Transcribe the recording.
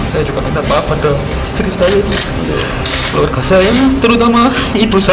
saya juga minta maaf pada istri saya ini keluarga saya terutama ibu saya